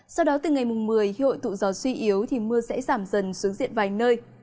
sau đó từ ngày một mươi khi hội tụ gió suy yếu thì mưa sẽ giảm dần xuống diện vài nơi